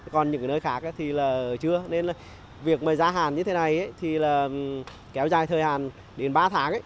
còn những nơi khác thì là chưa nên là việc mà giá hạn như thế này thì là kéo dài thời hạn đến ba tháng